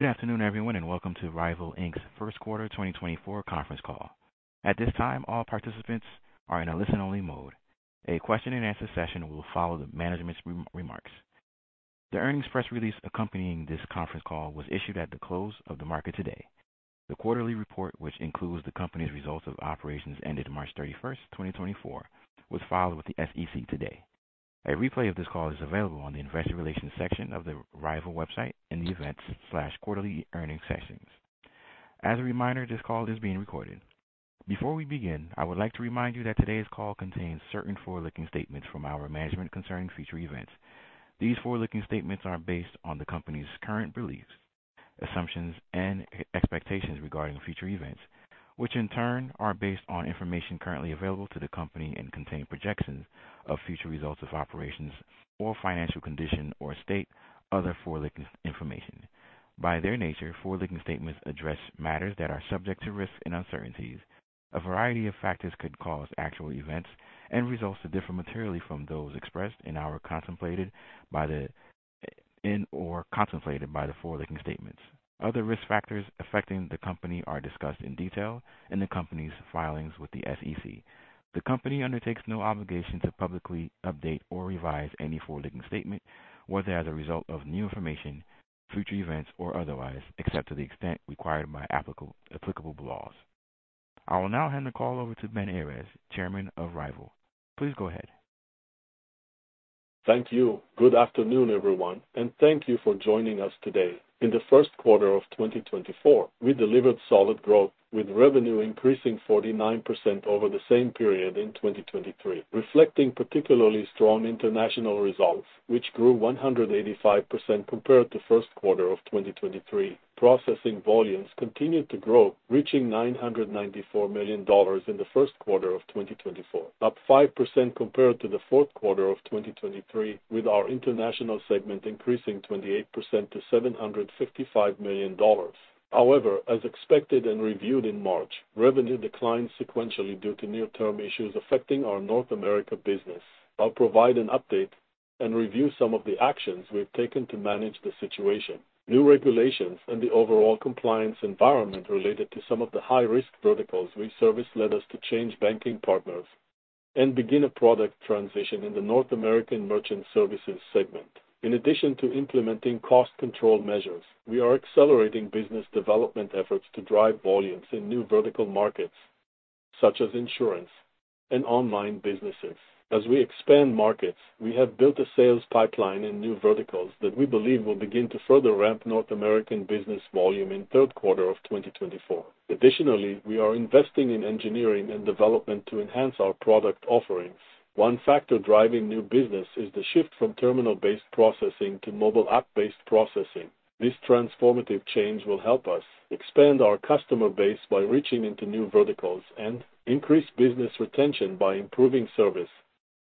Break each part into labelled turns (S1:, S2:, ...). S1: Good afternoon, everyone, and welcome to Ryvyl Inc's First Quarter 2024 Conference Call. At this time, all participants are in a listen-only mode. A question-and-answer session will follow the management's remarks. The earnings press release accompanying this conference call was issued at the close of the market today. The quarterly report, which includes the company's results of operations ended March 31, 2024, was filed with the SEC today. A replay of this call is available on the Investor Relations section of the Ryvyl website in the Events/Quarterly Earnings sections. As a reminder, this call is being recorded. Before we begin, I would like to remind you that today's call contains certain forward-looking statements from our management concerning future events. These forward-looking statements are based on the company's current beliefs, assumptions, and expectations regarding future events, which in turn are based on information currently available to the company and contain projections of future results of operations or financial condition or state, other forward-looking information. By their nature, forward-looking statements address matters that are subject to risk and uncertainties. A variety of factors could cause actual events and results to differ materially from those expressed or contemplated by the forward-looking statements. Other risk factors affecting the company are discussed in detail in the company's filings with the SEC. The company undertakes no obligation to publicly update or revise any forward-looking statement, whether as a result of new information, future events, or otherwise, except to the extent required by applicable laws. I will now hand the call over to Ben Errez, Chairman of Ryvyl. Please go ahead.
S2: Thank you. Good afternoon, everyone, and thank you for joining us today. In the First Quarter of 2024, we delivered solid growth, with revenue increasing 49% over the same period in 2023, reflecting particularly strong international results, which grew 185% compared to first quarter of 2023. Processing volumes continued to grow, reaching $994 million in the first quarter of 2024, up 5% compared to the fourth quarter of 2023, with our international segment increasing 28% to $755 million. However, as expected and reviewed in March, revenue declined sequentially due to near-term issues affecting our North America business. I'll provide an update and review some of the actions we've taken to manage the situation. New regulations and the overall compliance environment related to some of the high-risk verticals we service led us to change banking partners and begin a product transition in the North American merchant services segment. In addition to implementing cost control measures, we are accelerating business development efforts to drive volumes in new vertical markets, such as insurance and online businesses. As we expand markets, we have built a sales pipeline in new verticals that we believe will begin to further ramp North American business volume in third quarter of 2024. Additionally, we are investing in engineering and development to enhance our product offerings. One factor driving new business is the shift from terminal-based processing to mobile-app-based processing. This transformative change will help us expand our customer base by reaching into new verticals and increase business retention by improving service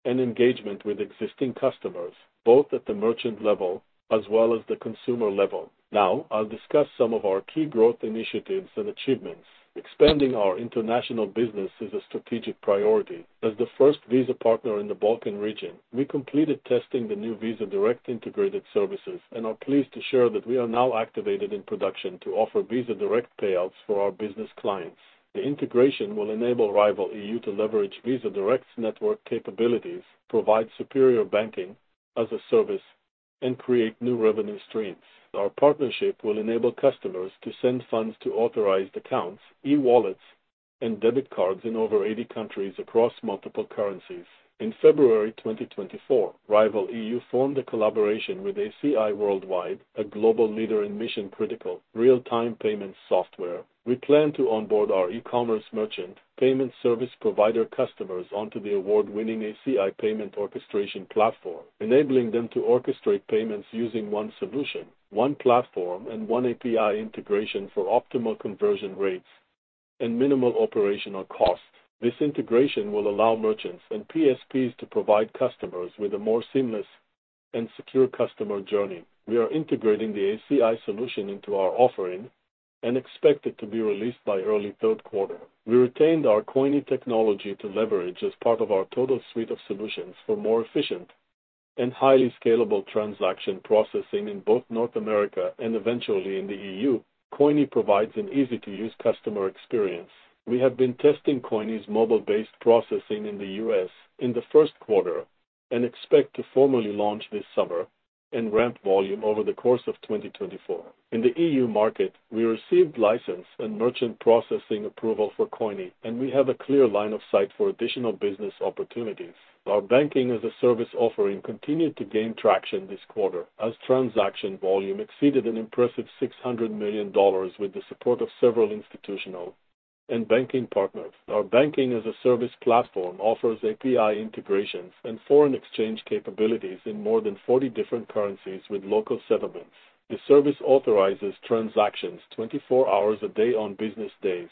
S2: and engagement with existing customers, both at the merchant level as well as the consumer level. Now, I'll discuss some of our key growth initiatives and achievements. Expanding our international business is a strategic priority. As the first Visa partner in the Balkan region, we completed testing the new Visa Direct integrated services and are pleased to share that we are now activated in production to offer Visa Direct payouts for our business clients. The integration will enable Ryvyl EU to leverage Visa Direct's network capabilities, provide superior Banking-as-a-Service, and create new revenue streams. Our partnership will enable customers to send funds to authorized accounts, e-wallets, and debit cards in over 80 countries across multiple currencies. In February 2024, Ryvyl EU formed a collaboration with ACI Worldwide, a global leader in mission-critical, real-time payments software. We plan to onboard our e-commerce merchant payment service provider customers onto the award-winning ACI Payment Orchestration Platform, enabling them to orchestrate payments using one solution, one platform, and one API integration for optimal conversion rates and minimal operational costs. This integration will allow merchants and PSPs to provide customers with a more seamless and secure customer journey. We are integrating the ACI solution into our offering and expect it to be released by early third quarter. We retained our Coyni technology to leverage as part of our total suite of solutions for more efficient and highly scalable transaction processing in both North America and eventually in the EU. Coyni provides an easy-to-use customer experience. We have been testing Coyni's mobile-based processing in the U.S. in the first quarter and expect to formally launch this summer and ramp volume over the course of 2024. In the EU market, we received license and merchant processing approval for Coyni, and we have a clear line of sight for additional business opportunities. Our Banking-as-a-Service offering continued to gain traction this quarter as transaction volume exceeded an impressive $600 million with the support of several institutional and banking partners. Our Banking-as-a-Service platform offers API integrations and foreign exchange capabilities in more than 40 different currencies with local settlements. The service authorizes transactions 24 hours a day on business days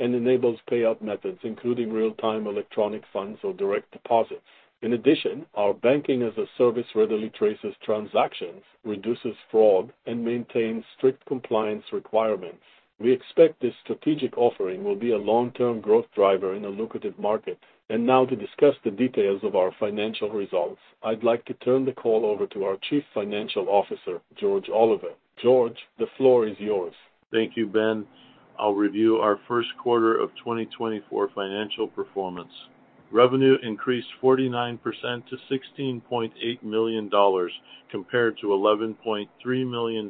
S2: and enables payout methods including real-time electronic funds or direct deposits. In addition, our Banking-as-a-Service readily traces transactions, reduces fraud, and maintains strict compliance requirements. We expect this strategic offering will be a long-term growth driver in a lucrative market. Now to discuss the details of our financial results, I'd like to turn the call over to our Chief Financial Officer, George Oliva. George, the floor is yours.
S3: Thank you, Ben. I'll review our first quarter of 2024 financial performance. Revenue increased 49% to $16.8 million compared to $11.3 million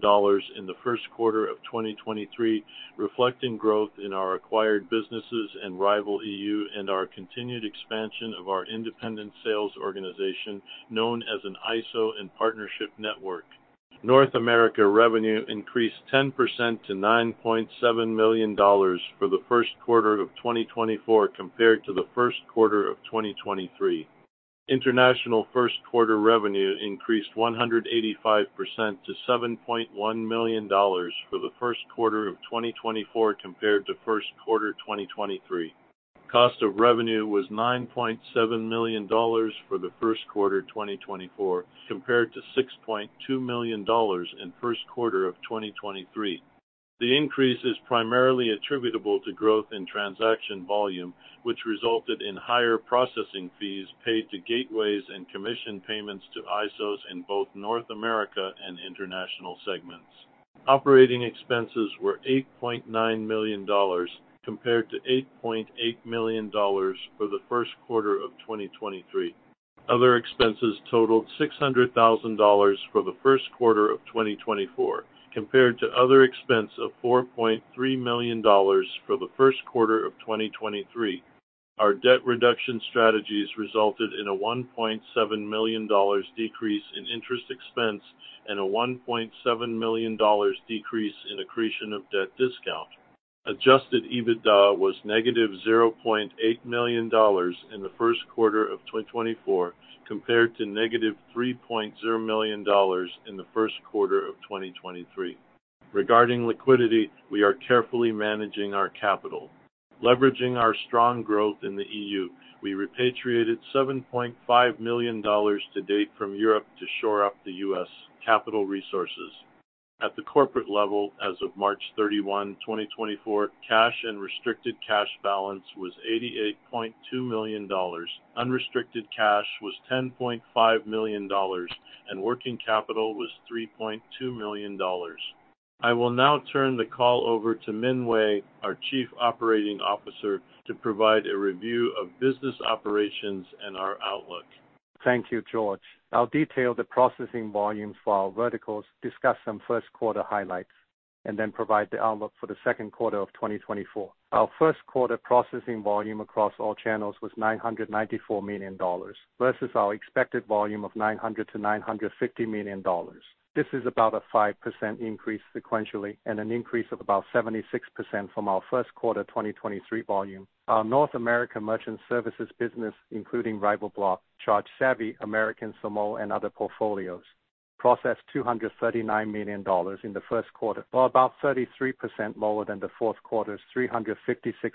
S3: in the first quarter of 2023, reflecting growth in our acquired businesses and Ryvyl EU and our continued expansion of our independent sales organization known as an ISO and partnership network. North America revenue increased 10% to $9.7 million for the first quarter of 2024 compared to the first quarter of 2023. International first quarter revenue increased 185% to $7.1 million for the first quarter of 2024 compared to first quarter 2023. Cost of revenue was $9.7 million for the first quarter 2024 compared to $6.2 million in first quarter of 2023. The increase is primarily attributable to growth in transaction volume, which resulted in higher processing fees paid to gateways and commission payments to ISOs in both North America and international segments. Operating expenses were $8.9 million compared to $8.8 million for the first quarter of 2023. Other expenses totaled $600,000 for the first quarter of 2024 compared to other expense of $4.3 million for the first quarter of 2023. Our debt reduction strategies resulted in a $1.7 million decrease in interest expense and a $1.7 million decrease in accretion of debt discount. Adjusted EBITDA was -$0.8 million in the first quarter of 2024 compared to -$3.0 million in the first quarter of 2023. Regarding liquidity, we are carefully managing our capital. Leveraging our strong growth in the EU, we repatriated $7.5 million to date from Europe to shore up the U.S. capital resources. At the corporate level, as of March 31, 2024, cash and restricted cash balance was $88.2 million, unrestricted cash was $10.5 million, and working capital was $3.2 million. I will now turn the call over to Min Wei, our Chief Operating Officer, to provide a review of business operations and our outlook.
S4: Thank you, George. I'll detail the processing volumes for our verticals, discuss some first quarter highlights, and then provide the outlook for the second quarter of 2024. Our first quarter processing volume across all channels was $994 million versus our expected volume of $900-$950 million. This is about a 5% increase sequentially and an increase of about 76% from our first quarter 2023 volume. Our North America merchant services business, including Ryvyl Block, ChargeSavvy, American Samoa, and other portfolios, processed $239 million in the first quarter, about 33% lower than the fourth quarter's $356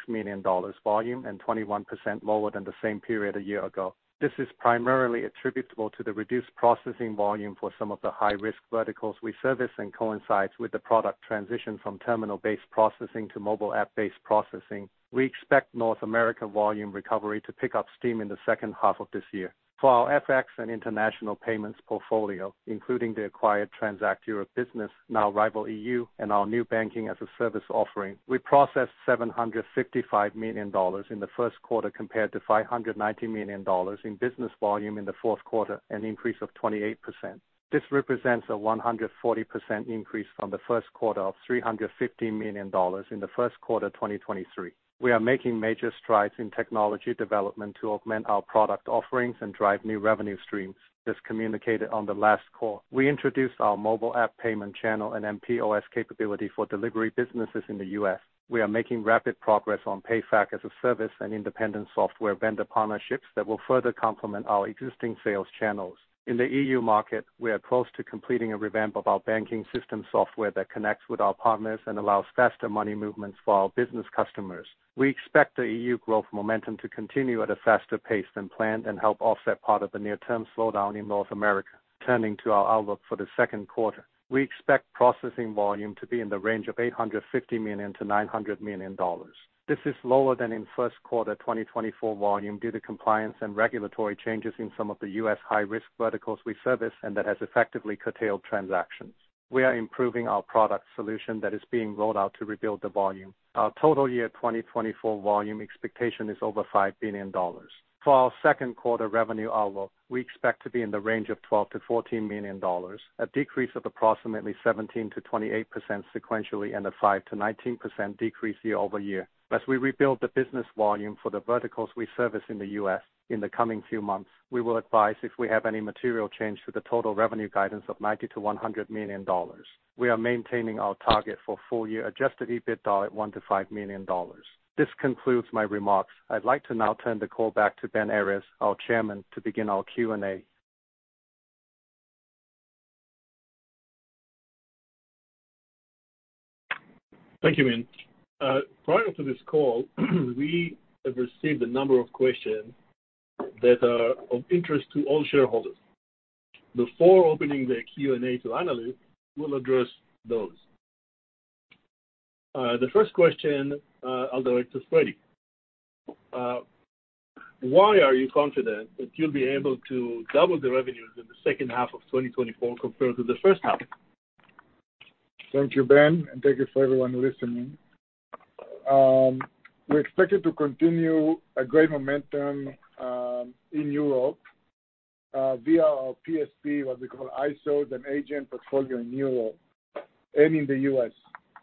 S4: million volume and 21% lower than the same period a year ago. This is primarily attributable to the reduced processing volume for some of the high-risk verticals we service and coincides with the product transition from terminal-based processing to mobile-app-based processing. We expect North America volume recovery to pick up steam in the second half of this year. For our FX and international payments portfolio, including the acquired Transact Europe business, now Ryvyl EU, and our new Banking-as-a-Service offering, we processed $755 million in the first quarter compared to $590 million in business volume in the fourth quarter, an increase of 28%. This represents a 140% increase from the first quarter of $315 million in the first quarter 2023. We are making major strides in technology development to augment our product offerings and drive new revenue streams, as communicated on the last call. We introduced our mobile-app payment channel and mPOS capability for delivery businesses in the U.S. We are making rapid progress on PayFac as a service and independent software vendor partnerships that will further complement our existing sales channels. In the EU market, we are close to completing a revamp of our banking system software that connects with our partners and allows faster money movements for our business customers. We expect the EU growth momentum to continue at a faster pace than planned and help offset part of the near-term slowdown in North America. Turning to our outlook for the second quarter, we expect processing volume to be in the range of $850 million-$900 million. This is lower than in first quarter 2024 volume due to compliance and regulatory changes in some of the U.S. high-risk verticals we service and that has effectively curtailed transactions. We are improving our product solution that is being rolled out to rebuild the volume. Our total year 2024 volume expectation is over $5 billion. For our second quarter revenue outlook, we expect to be in the range of $12-$14 million, a decrease of approximately 17%-28% sequentially and a 5%-19% decrease year-over-year. As we rebuild the business volume for the verticals we service in the U.S. in the coming few months, we will advise if we have any material change to the total revenue guidance of $90-$100 million. We are maintaining our target for full-year Adjusted EBITDA at $1-$5 million. This concludes my remarks. I'd like to now turn the call back to Ben Errez, our Chairman, to begin our Q&A.
S2: Thank you, Min. Prior to this call, we have received a number of questions that are of interest to all shareholders. Before opening the Q&A to analysts, we'll address those. The first question I'll direct to Fredi. Why are you confident that you'll be able to double the revenues in the second half of 2024 compared to the first half?
S5: Thank you, Ben, and thank you for everyone listening. We expected to continue a great momentum in Europe via our PSP, what we call ISOs, and agent portfolio in Europe and in the U.S.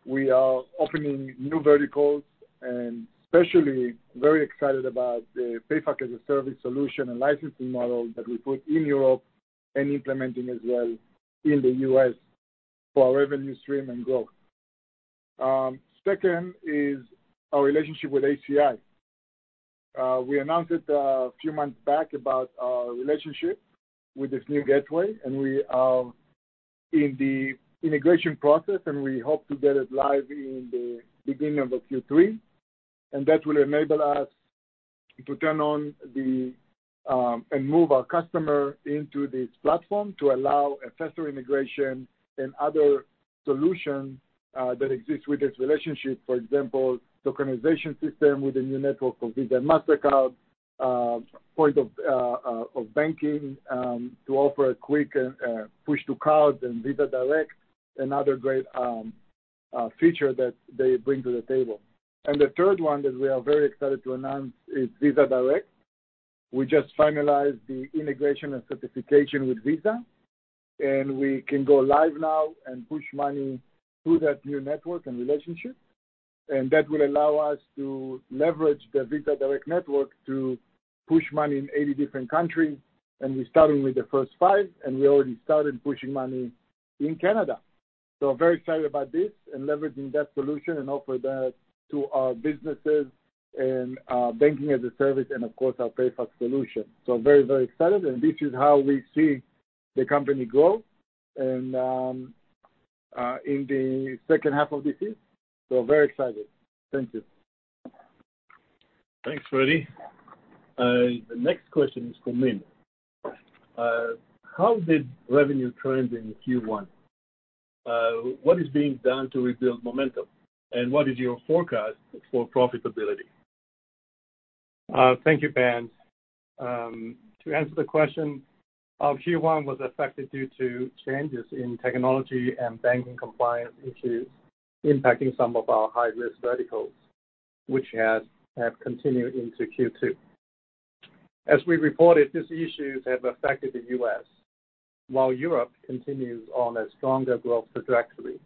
S5: We are opening new verticals and especially very excited about the PayFac as a service solution and licensing model that we put in Europe and implementing as well in the U.S. for our revenue stream and growth. Second is our relationship with ACI. We announced it a few months back about our relationship with this new gateway, and we are in the integration process, and we hope to get it live in the beginning of Q3. That will enable us to turn on and move our customer into this platform to allow a faster integration and other solutions that exist with this relationship, for example, tokenization system with a new network of Visa and Mastercard, Point of Banking to offer a quick push to cards and Visa Direct, and other great features that they bring to the table. The third one that we are very excited to announce is Visa Direct. We just finalized the integration and certification with Visa, and we can go live now and push money through that new network and relationship. That will allow us to leverage the Visa Direct network to push money in 80 different countries. We started with the first five, and we already started pushing money in Canada. So very excited about this and leveraging that solution and offer that to our businesses and Banking-as-a-Service and, of course, our PayFact solution. So very, very excited. This is how we see the company grow in the second half of this year. So very excited. Thank you.
S2: Thanks, Fredi. The next question is for Min. How did revenue trend in Q1? What is being done to rebuild momentum, and what is your forecast for profitability?
S5: Thank you, Ben. To answer the question, our Q1 was affected due to changes in technology and banking compliance issues impacting some of our high-risk verticals, which have continued into Q2. As we reported, these issues have affected the U.S. while Europe continues on a stronger growth trajectory.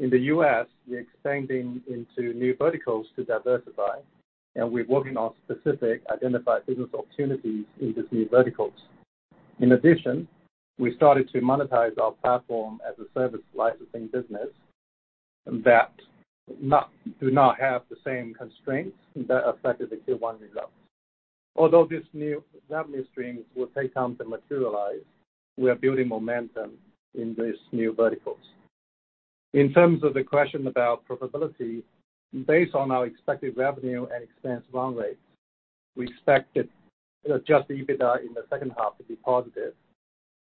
S5: In the U.S., we're expanding into new verticals to diversify, and we're working on specific identified business opportunities in these new verticals. In addition, we started to monetize our platform as a service licensing business that do not have the same constraints that affected the Q1 results. Although these new revenue streams will take time to materialize, we are building momentum in these new verticals. In terms of the question about profitability, based on our expected revenue and expense run rates, we expect that just the EBITDA in the second half to be positive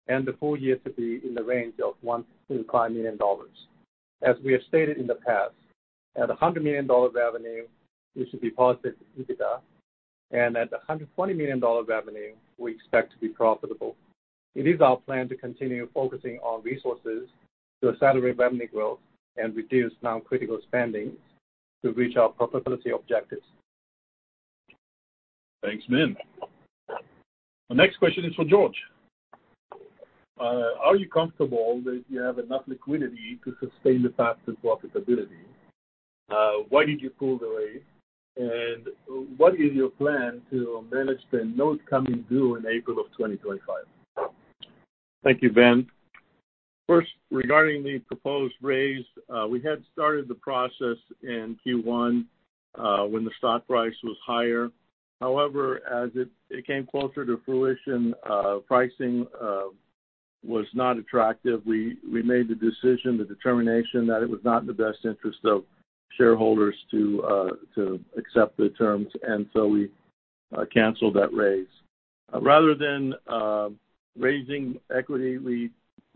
S5: and the full year to be in the range of $1-$5 million. As we have stated in the past, at $100 million revenue, we should be positive EBITDA, and at the $120 million revenue, we expect to be profitable. It is our plan to continue focusing on resources to accelerate revenue growth and reduce non-critical spending to reach our profitability objectives.
S2: Thanks, Min. The next question is for George. Are you comfortable that you have enough liquidity to sustain the faster profitability? Why did you pull the raise, and what is your plan to manage the notes coming due in April of 2025?
S3: Thank you, Ben. First, regarding the proposed raise, we had started the process in Q1 when the stock price was higher. However, as it came closer to fruition, pricing was not attractive. We made the decision, the determination, that it was not in the best interest of shareholders to accept the terms, and so we canceled that raise. Rather than raising equity, we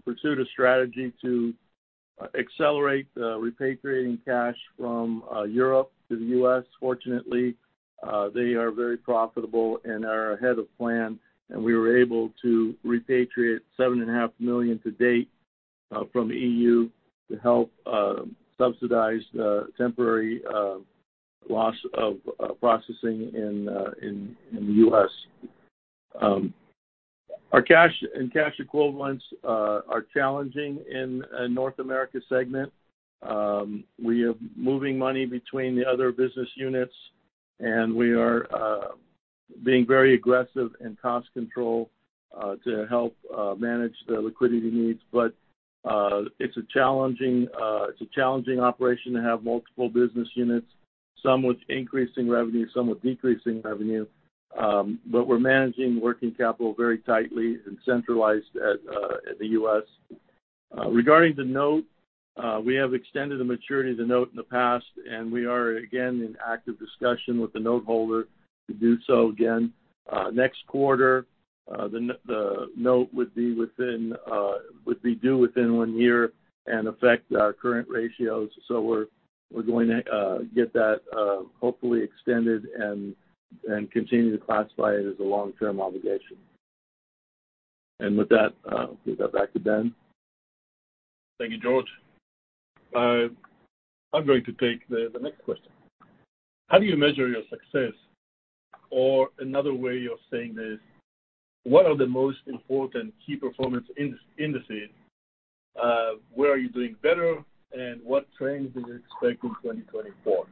S3: pursued a strategy to accelerate repatriating cash from Europe to the U.S. Fortunately, they are very profitable and are ahead of plan, and we were able to repatriate $7.5 million to date from the EU to help subsidize the temporary loss of processing in the U.S. Our cash and cash equivalents are challenging in the North America segment. We are moving money between the other business units, and we are being very aggressive in cost control to help manage the liquidity needs. It's a challenging operation to have multiple business units, some with increasing revenue, some with decreasing revenue. We're managing working capital very tightly and centralized in the U.S. Regarding the note, we have extended the maturity of the note in the past, and we are again in active discussion with the noteholder to do so again. Next quarter, the note would be due within one year and affect our current ratios. We're going to get that hopefully extended and continue to classify it as a long-term obligation. With that, I'll give that back to Ben.
S2: Thank you, George. I'm going to take the next question. How do you measure your success? Or another way of saying this, what are the most important key performance indices? Where are you doing better, and what trends do you expect in 2024?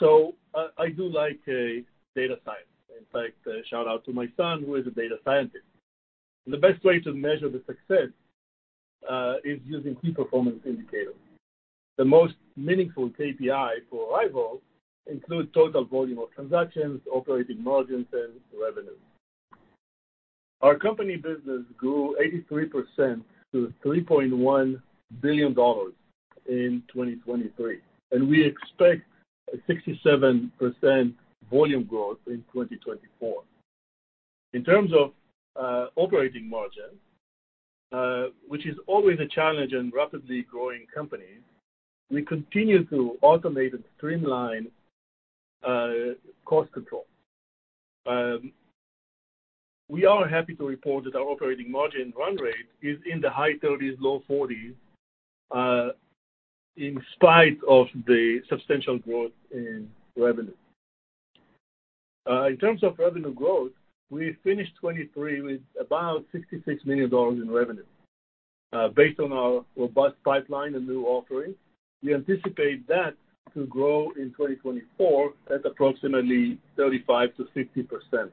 S2: So I do like data science. In fact, shout out to my son, who is a data scientist. The best way to measure the success is using key performance indicators. The most meaningful KPIs for Ryvyl include total volume of transactions, operating margins, and revenue. Our company business grew 83% to $3.1 billion in 2023, and we expect a 67% volume growth in 2024. In terms of operating margin, which is always a challenge in rapidly growing companies, we continue to automate and streamline cost control. We are happy to report that our operating margin run rate is in the high 30s, low 40s, in spite of the substantial growth in revenue. In terms of revenue growth, we finished 2023 with about $66 million in revenue. Based on our robust pipeline and new offerings, we anticipate that to grow in 2024 at approximately 35%-50%.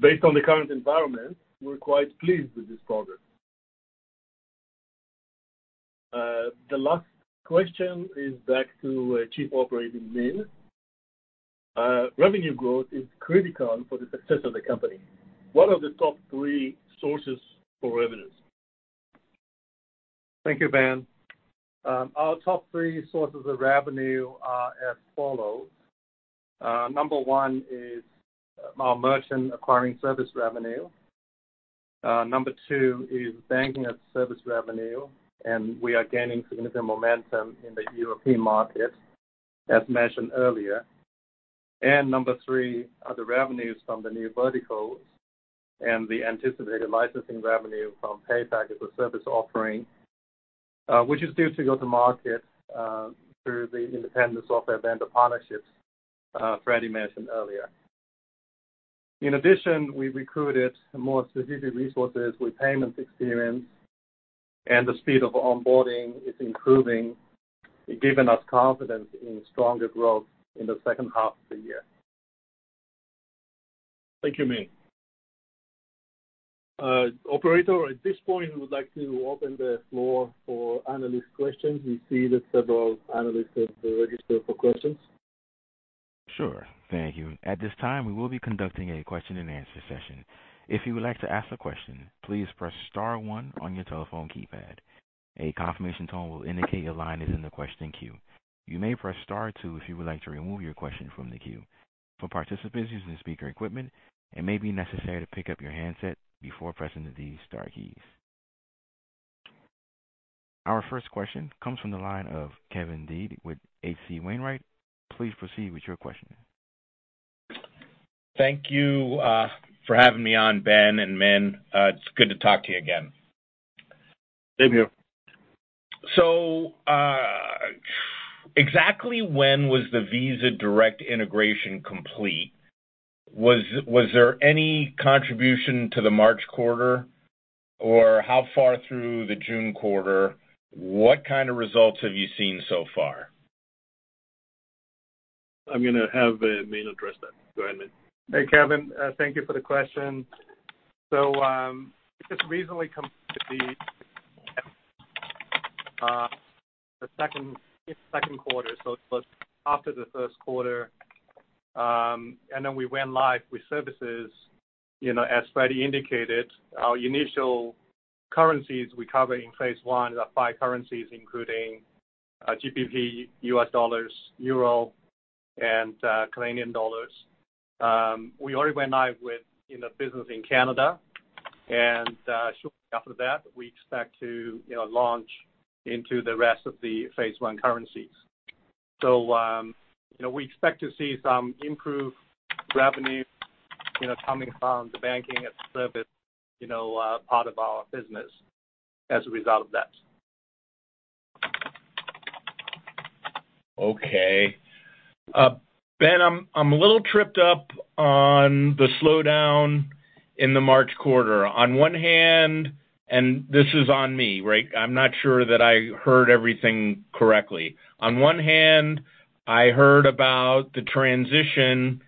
S2: Based on the current environment, we're quite pleased with this progress. The last question is back to Chief Operating Officer Min Wei. Revenue growth is critical for the success of the company. What are the top three sources for revenues?
S5: Thank you, Ben. Our top three sources of revenue are as follows. Number one is our merchant acquiring service revenue. Number two Banking-as-a-Service revenue, and we are gaining significant momentum in the European market, as mentioned earlier. Number three are the revenues from the new verticals and the anticipated licensing revenue from PayFact as a service offering, which is due to go to market through the independence of our vendor partnerships Fredi mentioned earlier. In addition, we recruited more specific resources with payments experience, and the speed of onboarding is improving, giving us confidence in stronger growth in the second half of the year.
S2: Thank you, Min. Operator, at this point, we would like to open the floor for analyst questions. We see that several analysts have registered for questions.
S1: Sure. Thank you. At this time, we will be conducting a question-and-answer session. If you would like to ask a question, please press star one on your telephone keypad. A confirmation tone will indicate your line is in the question queue. You may press star two if you would like to remove your question from the queue. For participants using speaker equipment, it may be necessary to pick up your handset before pressing the star keys. Our first question comes from the line of Kevin Dede with H.C. Wainwright. Please proceed with your question.
S6: Thank you for having me on, Ben and Min. It's good to talk to you again.
S2: Same here.
S6: So exactly when was the Visa Direct integration complete? Was there any contribution to the March quarter, or how far through the June quarter? What kind of results have you seen so far?
S2: I'm going to have Min address that. Go ahead, Min.
S5: Hey, Kevin. Thank you for the question. So it just recently completed the second quarter, so it was after the first quarter. And then we went live with services. As Fredi indicated, our initial currencies we covered in phase one are five currencies, including GBP, U.S. dollars, euro, and Canadian dollars. We already went live with business in Canada, and shortly after that, we expect to launch into the rest of the phase one currencies. So we expect to see some improved revenue coming from the Banking-as-a-Service part of our business as a result of that.
S6: Okay. Ben, I'm a little tripped up on the slowdown in the March quarter. On one hand, and this is on me, right? I'm not sure that I heard everything correctly. On one hand, I heard about the transition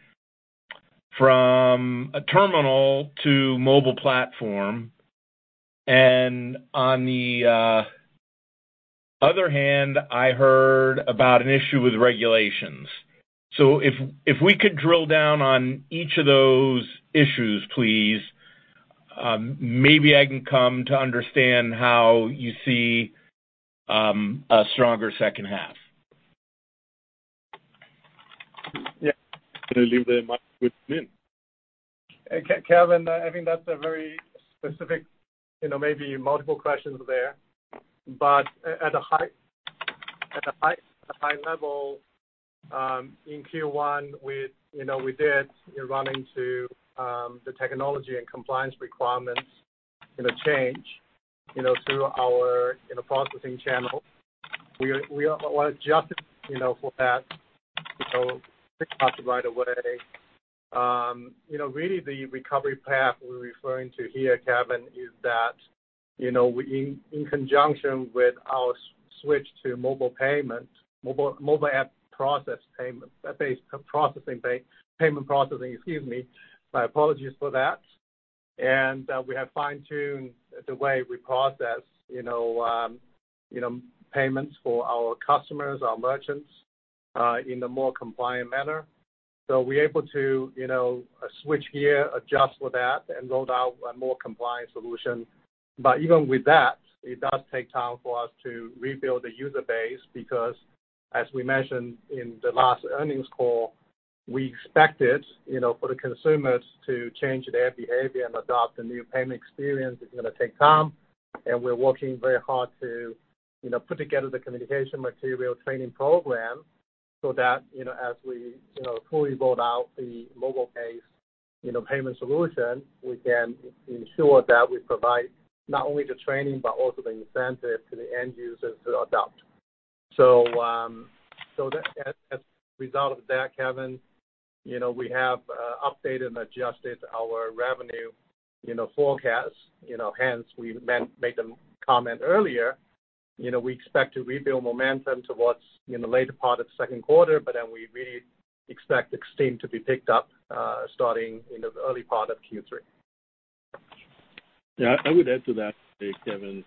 S6: from a terminal to mobile platform. And on the other hand, I heard about an issue with regulations. So if we could drill down on each of those issues, please, maybe I can come to understand how you see a stronger second half.
S2: Yeah. I'm going to leave the mic with Min.
S5: Kevin, I think that's a very specific maybe multiple questions there. But at a high level, in Q1, we did run into the technology and compliance requirements change through our processing channel. We were adjusted for that six months right away. Really, the recovery path we're referring to here, Kevin, is that in conjunction with our switch to mobile payment, mobile app processing payment processing excuse me. My apologies for that. And we have fine-tuned the way we process payments for our customers, our merchants, in a more compliant manner. So we're able to switch gear, adjust for that, and roll out a more compliant solution. But even with that, it does take time for us to rebuild the user base because, as we mentioned in the last earnings call, we expected for the consumers to change their behavior and adopt a new payment experience. It's going to take time. We're working very hard to put together the communication material training program so that as we fully roll out the mobile-based payment solution, we can ensure that we provide not only the training but also the incentive to the end users to adopt. As a result of that, Kevin, we have updated and adjusted our revenue forecast. Hence, we made the comment earlier. We expect to rebuild momentum towards the later part of the second quarter, but then we really expect the steam to be picked up starting in the early part of Q3.
S2: Yeah. I would add to that, Kevin,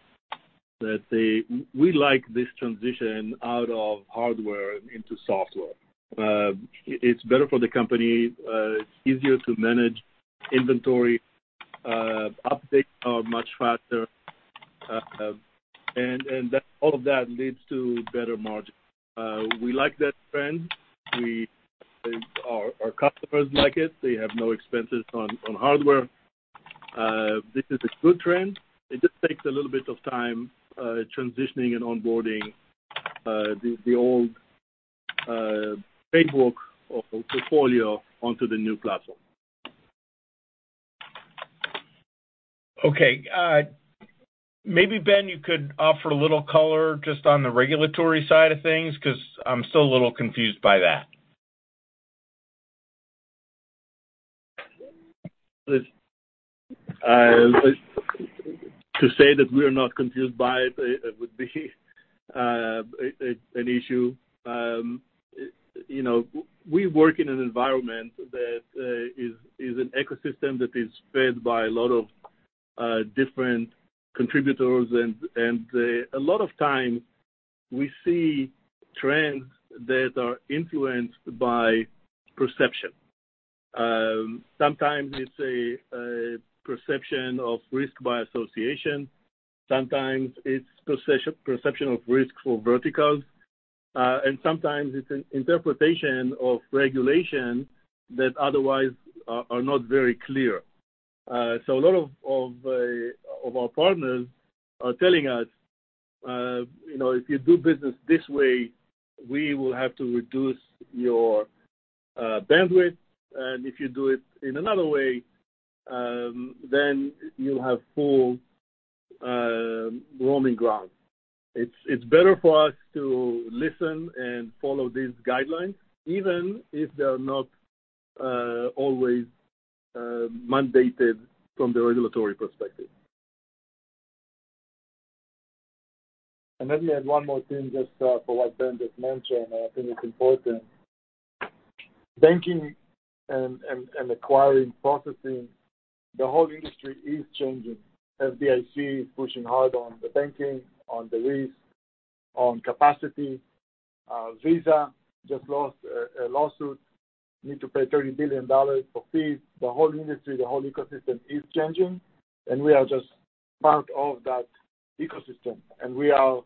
S2: that we like this transition out of hardware into software. It's better for the company. It's easier to manage inventory. Updates are much faster. All of that leads to better margins. We like that trend. Our customers like it. They have no expenses on hardware. This is a good trend. It just takes a little bit of time transitioning and onboarding the old paybook or portfolio onto the new platform.
S6: Okay. Maybe, Ben, you could offer a little color just on the regulatory side of things because I'm still a little confused by that.
S2: To say that we are not confused by it would be an issue. We work in an environment that is an ecosystem that is fed by a lot of different contributors. A lot of times, we see trends that are influenced by perception. Sometimes it's a perception of risk by association. Sometimes it's perception of risk for verticals. Sometimes it's an interpretation of regulation that otherwise are not very clear. A lot of our partners are telling us, "If you do business this way, we will have to reduce your bandwidth. And if you do it in another way, then you'll have full roaming ground." It's better for us to listen and follow these guidelines, even if they are not always mandated from the regulatory perspective.
S5: And let me add one more thing just for what Ben just mentioned. I think it's important. Banking and acquiring processing, the whole industry is changing. FDIC is pushing hard on the banking, on the risk, on capacity. Visa just lost a lawsuit, need to pay $30 billion for fees. The whole industry, the whole ecosystem is changing. And we are just part of that ecosystem. And we are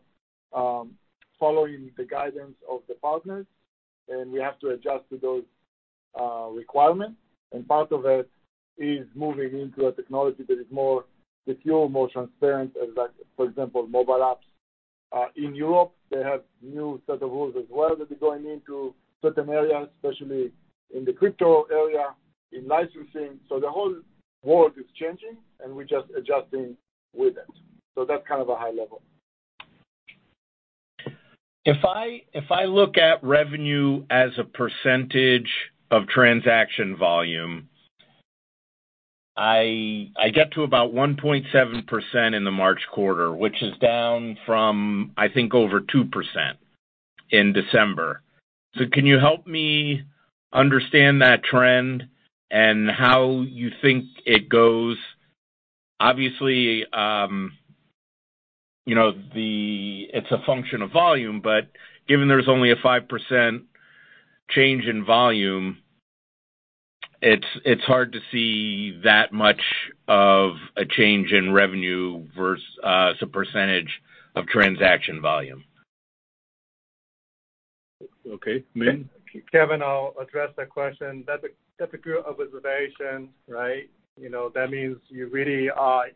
S5: following the guidance of the partners. And we have to adjust to those requirements. And part of it is moving into a technology that is more secure, more transparent, for example, mobile apps. In Europe, they have new set of rules as well that are going into certain areas, especially in the crypto area, in licensing. So the whole world is changing, and we're just adjusting with it. So that's kind of a high level.
S6: If I look at revenue as a percentage of transaction volume, I get to about 1.7% in the March quarter, which is down from, I think, over 2% in December. So can you help me understand that trend and how you think it goes? Obviously, it's a function of volume, but given there's only a 5% change in volume, it's hard to see that much of a change in revenue versus a percentage of transaction volume.
S2: Okay. Min?
S5: Kevin, I'll address that question. That's a group of observations, right? That means you really are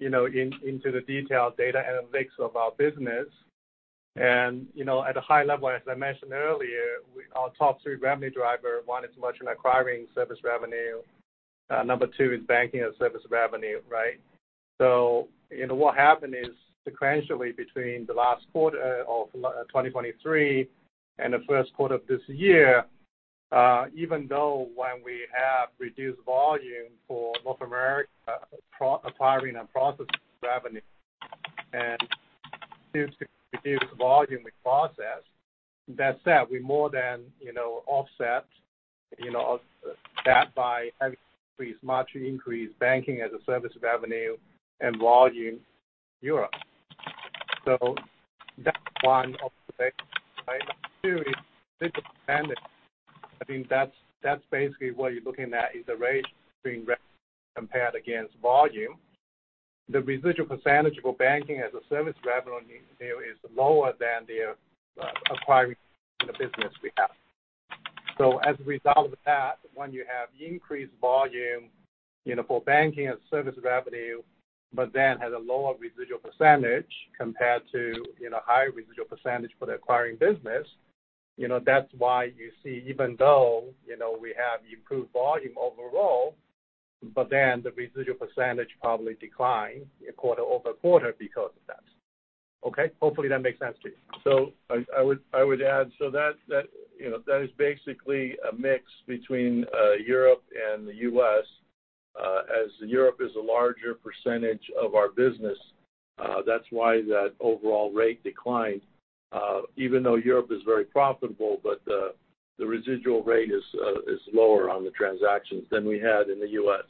S5: into the detailed data analytics of our business. At a high level, as I mentioned earlier, our top three revenue drivers, one, is merchant acquiring service revenue. Number two is banking as service revenue, right? So what happened is sequentially between the last quarter of 2023 and the first quarter of this year, even though when we have reduced volume for North America acquiring and processing revenue and due to reduced volume we process, that said, we more than offset that by having a smarter increase in Banking-as-a-Service revenue and volume in Europe. So that's one observation, right? Number two is residual percentage. I think that's basically what you're looking at, is the ratio between revenue compared against volume.
S6: The residual percentage for Banking-as-a-Service revenue is lower than the acquiring in the business we have. So as a result of that, when you have increased volume for banking as service revenue but then has a lower residual percentage compared to higher residual percentage for the acquiring business, that's why you see even though we have improved volume overall, but then the residual percentage probably declined quarter-over-quarter because of that. Okay? Hopefully, that makes sense to you.
S2: So I would add so that is basically a mix between Europe and the U.S. As Europe is a larger percentage of our business, that's why that overall rate declined. Even though Europe is very profitable, but the residual rate is lower on the transactions than we had in the U.S.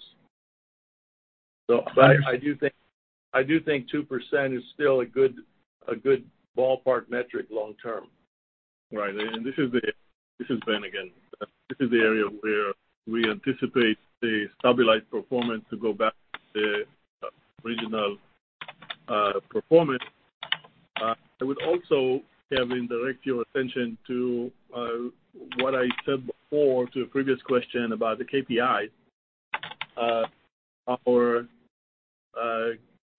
S2: So I do think 2% is still a good ballpark metric long term. Right. And this is Ben again. This is the area where we anticipate a stabilized performance to go back to the original performance. I would also, Kevin, direct your attention to what I said before, to a previous question about the KPIs. Our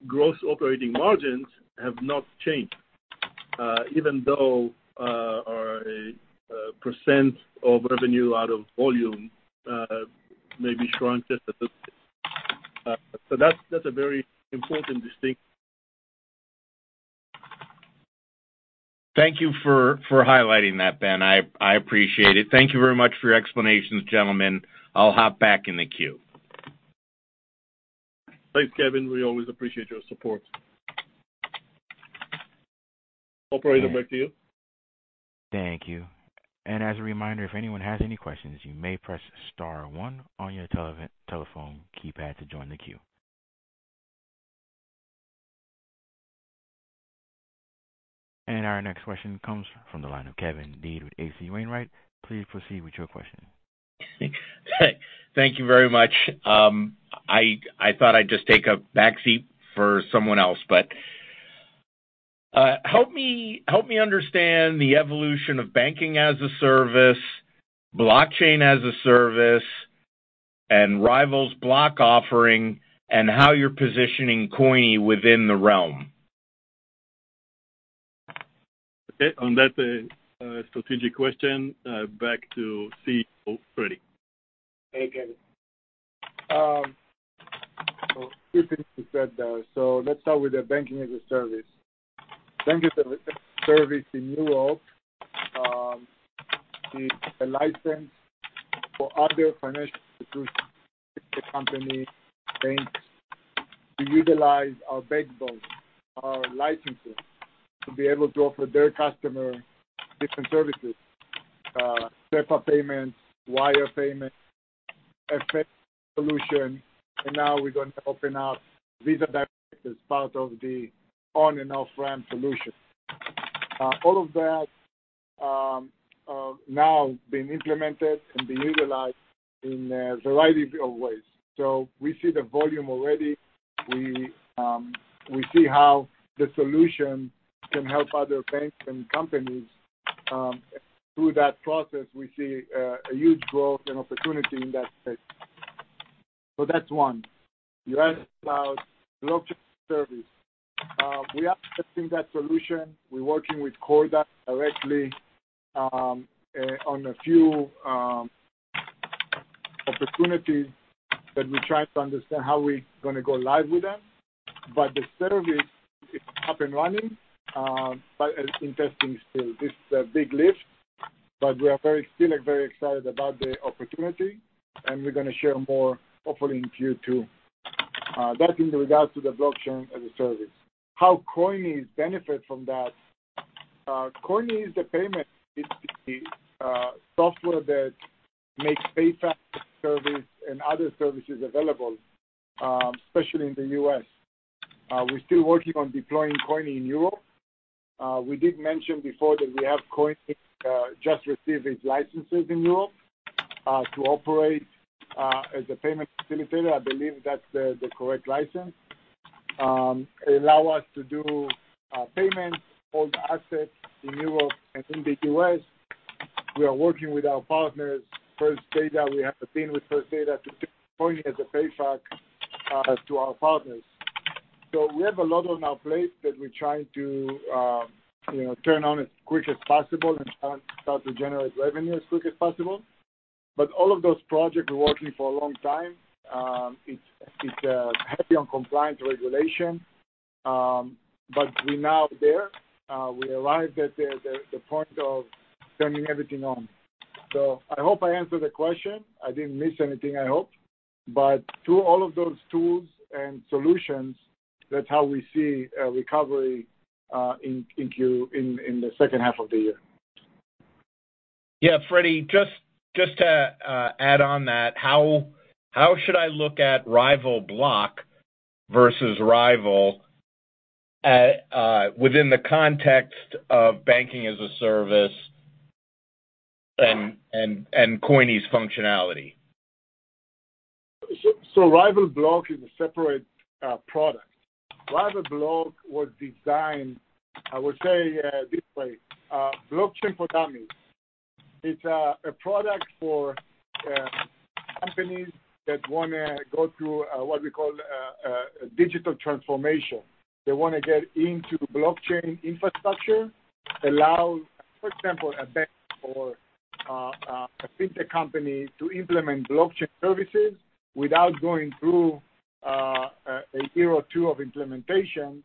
S2: gross operating margins have not changed, even though our percent of revenue out of volume may be shrunk just a little bit. So that's a very important distinction.
S6: Thank you for highlighting that, Ben. I appreciate it. Thank you very much for your explanations, gentlemen. I'll hop back in the queue.
S2: Thanks, Kevin. We always appreciate your support. Operator, back to you.
S1: Thank you. As a reminder, if anyone has any questions, you may press star one on your telephone keypad to join the queue. Our next question comes from the line of Kevin Dede with H.C. Wainwright. Please proceed with your question.
S6: Thank you very much. I thought I'd just take a backseat for someone else, but help me understand the evolution of Banking-as-a-Service, Blockchain-as-a-Service, and Ryvyl's Block offering, and how you're positioning Coyni within the realm?
S2: Okay. On that strategic question, back to CEO Fredi.
S5: Hey, Kevin. So let's start with the Banking-as-a-Service. Banking-as-a-Service in Europe is a license for other financial institutions, the companies, banks to utilize our BaaS, our licensing, to be able to offer their customers different services: SEPA payments, wire payments, FX solution. And now we're going to open up Visa Direct as part of the on-ramp and off-ramp solution. All of that now being implemented and being utilized in a variety of ways. So we see the volume already. We see how the solution can help other banks and companies. Through that process, we see a huge growth and opportunity in that space. So that's one. US Cloud Blockchain Service. We are testing that solution. We're working with Corda directly on a few opportunities that we're trying to understand how we're going to go live with them. But the service is up and running, but in testing still. This is a big lift, but we are still very excited about the opportunity, and we're going to share more, hopefully, in Q2. That's in regards to the Blockchain-as-a-Service. How Coyni is benefiting from that? Coyni is the payment. It's the software that makes PayFact service and other services available, especially in the U.S. We're still working on deploying Coyni in Europe. We did mention before that we have Coyni just received its licenses in Europe to operate as a payment facilitator. I believe that's the correct license. It allows us to do payments, hold assets in Europe and in the U.S. We are working with our partners. First Data, we have been with First Data to take Coyni as a PayFact to our partners. So we have a lot on our plate that we're trying to turn on as quick as possible and start to generate revenue as quick as possible. But all of those projects, we're working for a long time. It's heavy on compliance regulation, but we're now there. We arrived at the point of turning everything on. So I hope I answered the question. I didn't miss anything, I hope. But through all of those tools and solutions, that's how we see recovery in the second half of the year.
S6: Yeah. Fredi, just to add on that, how should I look at Ryvyl Block versus Ryvyl within the context of Banking-as-a-Service and Coyni's functionality?
S5: So Ryvyl Block is a separate product. Ryvyl Block was designed, I would say, this way: blockchain for dummies. It's a product for companies that want to go through what we call a digital transformation. They want to get into blockchain infrastructure, allow, for example, a bank or a fintech company to implement blockchain services without going through a year or two of implementation.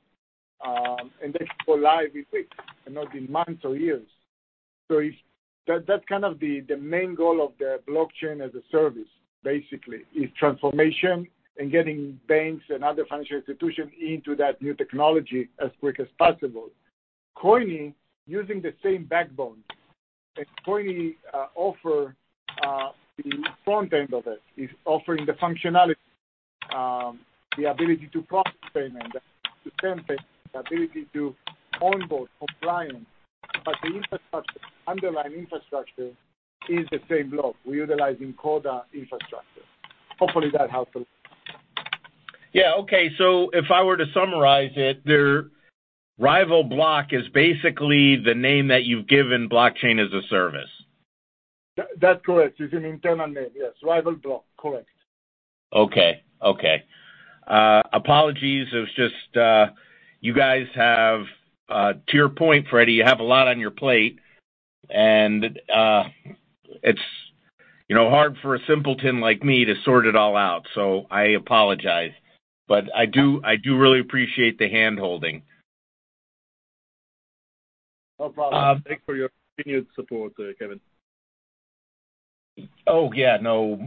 S5: And they can go live in weeks and not in months or years. So that's kind of the main goal of the Blockchain-as-a-Service, basically, is transformation and getting banks and other financial institutions into that new technology as quick as possible. Coyni, using the same backbone, and Coyni offers the front end of it, is offering the functionality, the ability to process payment, to send payments, the ability to onboard compliance. But the underlying infrastructure is the same block. We're utilizing Corda infrastructure. Hopefully, that helps a lot.
S6: Yeah. Okay. So if I were to summarize it, Ryvyl Block is basically the name that you've given Blockchain-as-a-Service.
S2: That's correct. It's an internal name. Yes. Ryvyl Block. Correct.
S6: Okay. Okay. Apologies. It was just you guys have to your point, Fredi, you have a lot on your plate. And it's hard for a simpleton like me to sort it all out, so I apologize. But I do really appreciate the handholding.
S2: No problem. Thanks for your continued support, Kevin.
S6: Oh, yeah. No,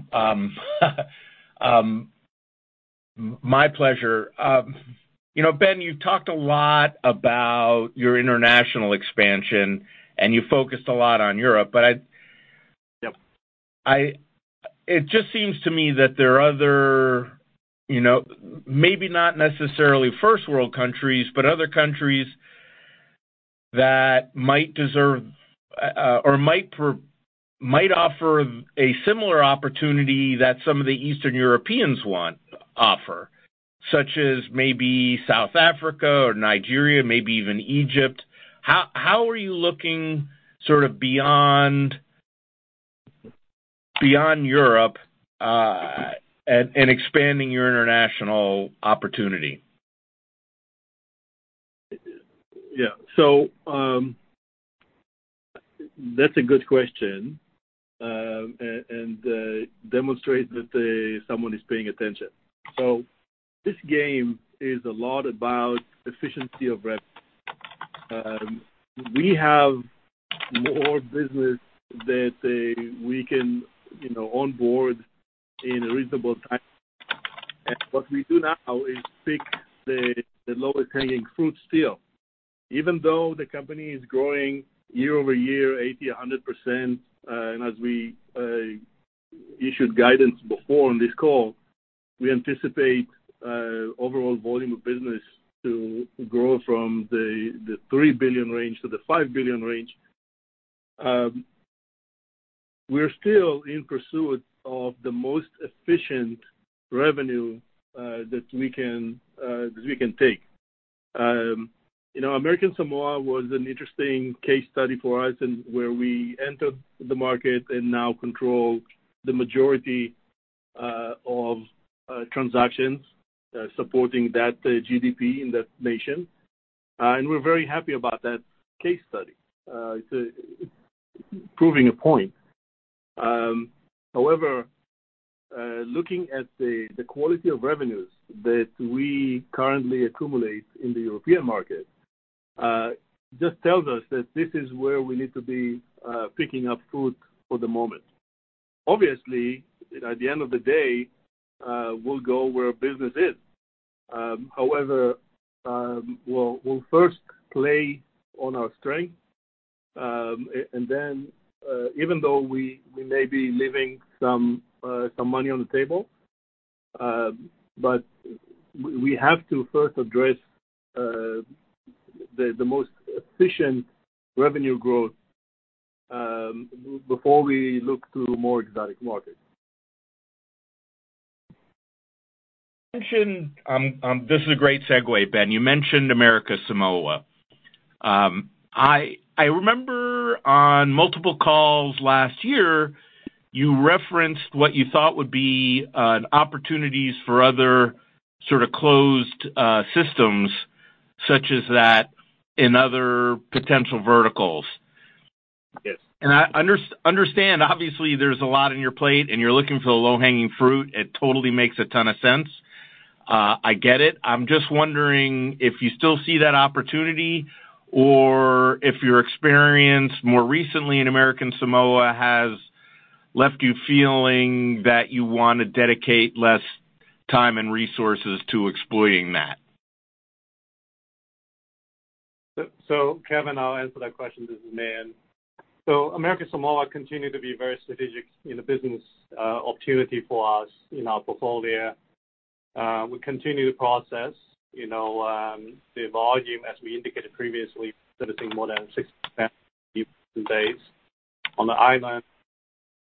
S6: my pleasure. Ben, you've talked a lot about your international expansion, and you focused a lot on Europe. But it just seems to me that there are other maybe not necessarily First World countries, but other countries that might deserve or might offer a similar opportunity that some of the Eastern Europeans want to offer, such as maybe South Africa or Nigeria, maybe even Egypt. How are you looking sort of beyond Europe and expanding your international opportunity?
S2: Yeah. So that's a good question and demonstrates that someone is paying attention. So this game is a lot about efficiency of revenue. We have more business that we can onboard in a reasonable time. And what we do now is pick the lowest hanging fruit still. Even though the company is growing year-over-year 80%-100%, and as we issued guidance before on this call, we anticipate overall volume of business to grow from the $3 billion range to the $5 billion range. We're still in pursuit of the most efficient revenue that we can take. American Samoa was an interesting case study for us where we entered the market and now control the majority of transactions supporting that GDP in that nation. And we're very happy about that case study. It's proving a point. However, looking at the quality of revenues that we currently accumulate in the European market just tells us that this is where we need to be picking up speed for the moment. Obviously, at the end of the day, we'll go where business is. However, we'll first play to our strength. And then, even though we may be leaving some money on the table, but we have to first address the most efficient revenue growth before we look to more exotic markets.
S6: This is a great segue, Ben. You mentioned American Samoa. I remember on multiple calls last year, you referenced what you thought would be opportunities for other sort of closed systems, such as that in other potential verticals. I understand, obviously, there's a lot on your plate, and you're looking for the low-hanging fruit. It totally makes a ton of sense. I get it. I'm just wondering if you still see that opportunity or if your experience more recently in American Samoa has left you feeling that you want to dedicate less time and resources to exploiting that.
S5: So, Kevin, I'll answer that question. This is Min. So American Samoa continued to be a very strategic business opportunity for us in our portfolio. We continue the process. The volume, as we indicated previously, is servicing more than 60,000 people in the States. On the island,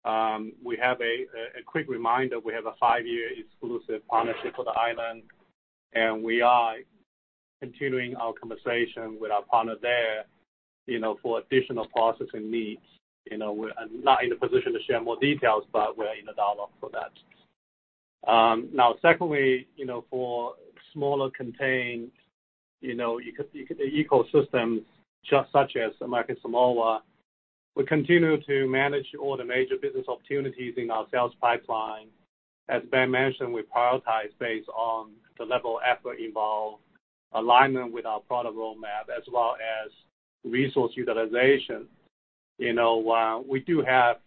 S5: as a quick reminder. We have a five-year exclusive partnership for the island. And we are continuing our conversation with our partner there for additional processing needs. We're not in a position to share more details, but we're in a dialogue for that. Now, secondly, for smaller contained ecosystems such as American Samoa, we continue to manage all the major business opportunities in our sales pipeline. As Ben mentioned, we prioritize based on the level of effort involved, alignment with our product roadmap, as well as resource utilization. We do have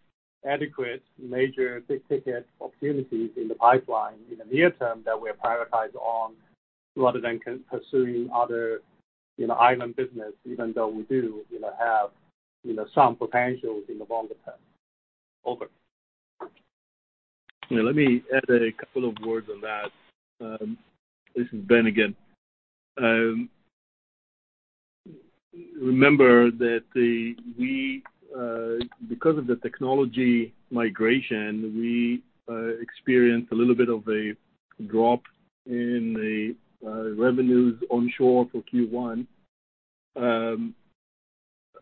S5: adequate major big-ticket opportunities in the pipeline in the near term that we prioritize on rather than pursuing other island business, even though we do have some potentials in the longer term. Over.
S2: Let me add a couple of words on that. This is Ben again. Remember that because of the technology migration, we experienced a little bit of a drop in the revenues onshore for Q1.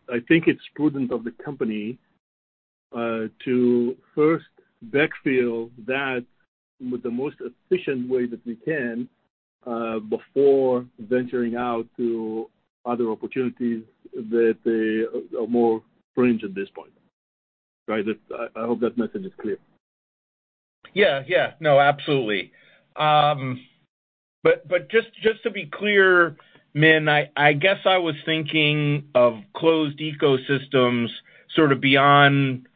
S2: I think it's prudent of the company to first backfill that with the most efficient way that we can before venturing out to other opportunities that are more fringe at this point, right? I hope that message is clear.
S6: Yeah. Yeah. No, absolutely. But just to be clear, man, I guess I was thinking of closed ecosystems sort of beyond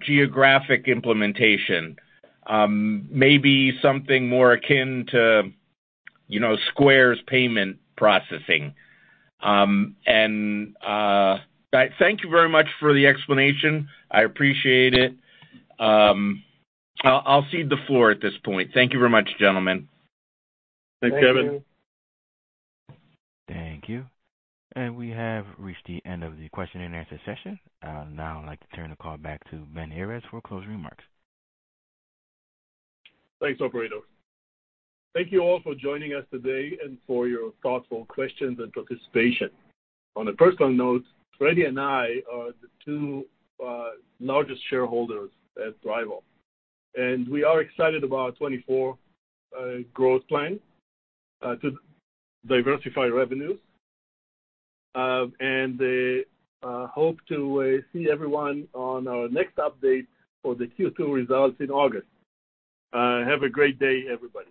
S6: geographic implementation, maybe something more akin to Square's payment processing. And thank you very much for the explanation. I appreciate it. I'll cede the floor at this point. Thank you very much, gentlemen.
S2: Thanks, Kevin.
S1: Thank you. We have reached the end of the question-and-answer session. Now, I'd like to turn the call back to Ben Errez for closing remarks.
S2: Thanks, Operator. Thank you all for joining us today and for your thoughtful questions and participation. On a personal note, Fredi and I are the two largest shareholders at Ryvyl. We are excited about our 2024 growth plan to diversify revenues and hope to see everyone on our next update for the Q2 results in August. Have a great day, everybody.